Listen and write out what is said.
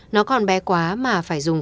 nó còn bé quá mà phải dùng